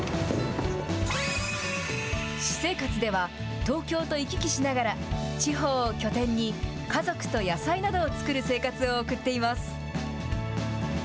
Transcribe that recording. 私生活では、東京と行き来しながら地方を拠点に、家族と野菜などを作る生活を送っています。